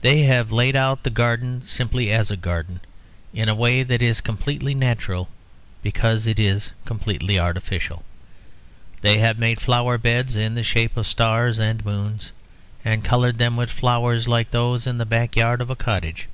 They have laid out the garden simply as a garden, in a way that is completely natural because it is completely artificial. They have made flower beds in the shape of stars and moons, and coloured them with flowers like those in the backyard of a cottage.